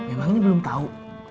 emang ini belum tau